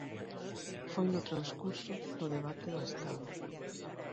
Foi no transcurso do Debate do estado.